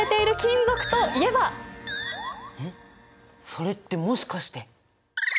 それってもしかして。